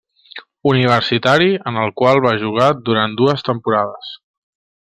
Universitari en el qual va jugar durant dues temporades.